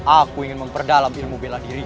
aku ingin memperdalam ilmu bela diri